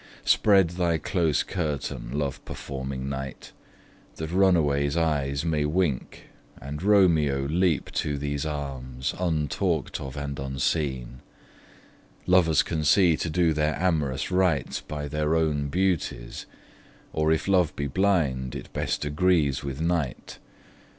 Spread thy close curtain, love performing night; That run aways' eyes may wink; and Romeo Leap to these arms, untalked of, and unseen! Lovers can see to do their amorous rites By their own beauties: or if love be blind, It best agrees with night.